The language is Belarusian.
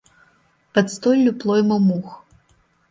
Пад столлю плойма мух.